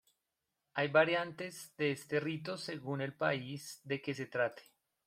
Hay variantes de este rito según el país de que se trate.